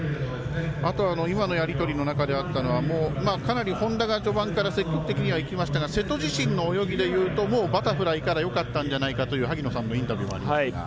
今のやり取りの中でかなり本多が序盤から積極的にいきましたが瀬戸自身の泳ぎでいくともうバタフライからよかったんではないかという萩野さんのインタビューもありましたが。